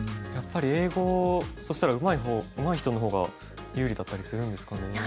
やっぱり英語そしたらうまい人の方が有利だったりするんですかね。